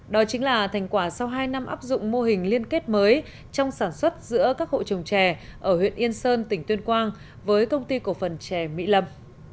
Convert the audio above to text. đó chính là thành quả sau hai năm áp dụng mô hình liên kết mới trong sản xuất giữa các hộ trồng trè ở huyện yên sơn tỉnh tuyên quang với công ty cổ phần trè mỹ lâm